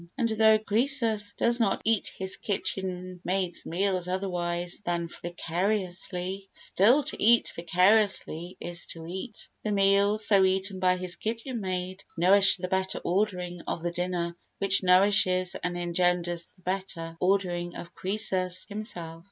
And though Croesus does not eat his kitchen maid's meals otherwise than vicariously, still to eat vicariously is to eat: the meals so eaten by his kitchen maid nourish the better ordering of the dinner which nourishes and engenders the better ordering of Croesus himself.